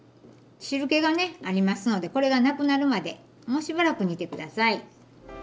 汁けがねありますのでこれがなくなるまでもうしばらく煮てください。